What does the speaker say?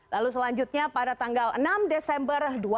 lalu selanjutnya pada tanggal enam desember dua ribu dua puluh